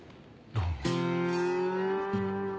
どうも。